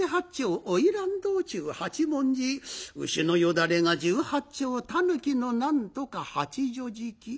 花魁道中八文字牛のよだれが十八丁たぬきの何とか八畳敷きなんて。